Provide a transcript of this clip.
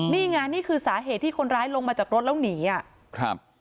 นี่ไงนี่คือสาเหตุที่คนร้ายลงมาจากรถแล้วหนีอ่ะครับ